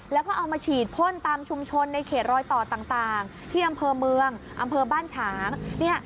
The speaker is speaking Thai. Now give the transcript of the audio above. แล้วก็เอามาฉีดพ่นตามชุมชนในเขตรอยต่อต่างที่อำเภอเมืองอำเภอบ้านฉาง